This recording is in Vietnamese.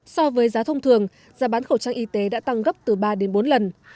so với giá thông thường giá bán khẩu trang y tế đã tăng gấp từ ba đến bốn lần